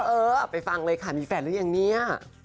เออไปฟังเลยค่ะมีแฟนหรือยังเนี่ย